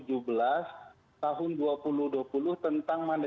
ya bukan kata ferry amsari atau rifana ya tetapi ini kata peraturan perundang undangan